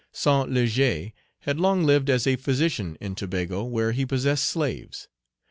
St. Léger had long lived as a physician in Tobago, where he possessed slaves.